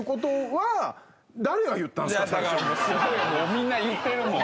みんな言ってるもん。